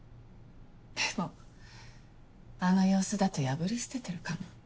でもあの様子だと破り捨ててるかも。